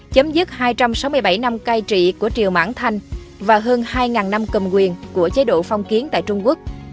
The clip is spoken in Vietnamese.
chấm dứt hai trăm sáu mươi bảy năm cai trị của triều mãng thanh và hơn hai năm cầm quyền của chế độ phong kiến tại trung quốc